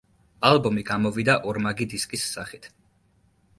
ალბომი გამოვიდა ორმაგი დისკის სახით.